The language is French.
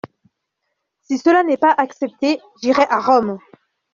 Si cela n'est pas accepté, j'irai à Rome.